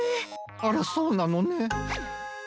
あらそうなのね。